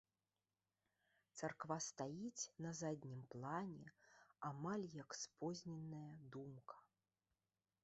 Царква стаіць на заднім плане, амаль як спозненая думка.